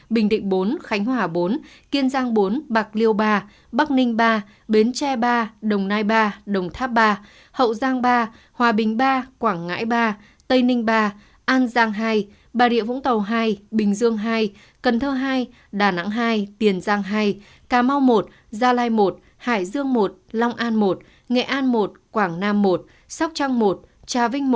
tỉnh định bốn khánh hỏa bốn kiên giang bốn bạc liêu ba bắc ninh ba bến tre ba đồng nai ba đồng tháp ba hậu giang ba hòa bình ba quảng ngãi ba tây ninh ba an giang hai bà địa vũng tàu hai bình dương hai cần thơ hai đà nẵng hai tiền giang hai cà mau một gia lai một hải dương một long an một nghệ an một quảng nam một sóc trăng một trà vinh một